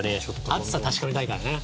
熱さ確かめたいからね。